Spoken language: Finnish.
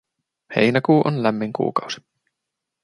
Heinäkuu on lämmin kuukausi.